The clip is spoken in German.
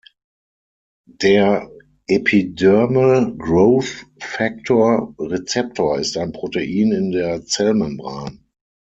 Der Epidermal-Growth-Factor-Rezeptor ist ein Protein in der Zellmembran.